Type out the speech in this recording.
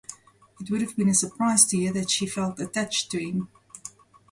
"It would have been a surprise to hear that she felt attached to him."